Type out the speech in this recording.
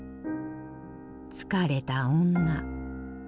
疲れた女